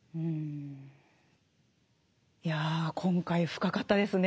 いや今回深かったですね。